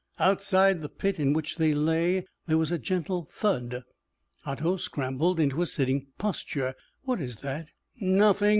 Outside the pit in which they lay, there was a gentle thud. Otto scrambled into a sitting posture. "What is that?" "Nothing.